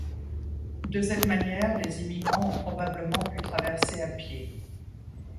De cette manière, les immigrants ont probablement pu traverser à pied.